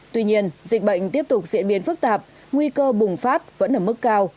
tuy nhiên dịch bệnh tiếp tục diễn biến phức tạp nguy cơ bùng phát vẫn ở mức cao